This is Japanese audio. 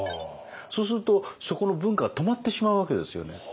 そうするとそこの文化が止まってしまうわけですよね。